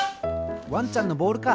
ワンちゃんのボールか。